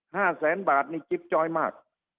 แสนบาทนี่จิ๊บจ้อยมาก